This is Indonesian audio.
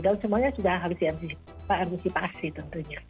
dan semuanya sudah harus diantisipasi tentunya